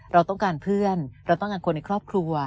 เราต้องการเพื่อนเราต้องการคนในครอบครัว